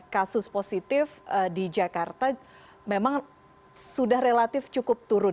kasus positif di jakarta memang sudah relatif cukup turun